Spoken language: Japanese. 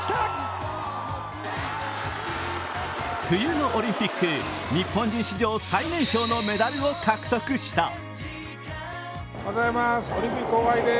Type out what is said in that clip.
冬のオリンピック日本人史上最年少のメダルを獲得した。